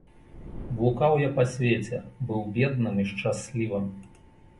Блукаў я па свеце, быў бедным і шчаслівым.